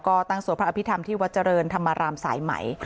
ก็ตั้งสวดพระอภิษฐรรมที่วัดเจริญธรรมรามสายไหม